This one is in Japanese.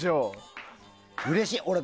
うれしい。